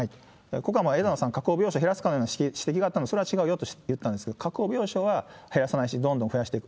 ここは枝野さん、確保病床を減らすかのような指摘があったのでそれは違うよと言ったんですけど、確保病床は減らさないし、どんどん増やしていく。